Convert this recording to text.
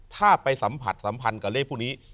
ถ้าไปสัมผัสสัมพันธ์กับเลขพวกนี้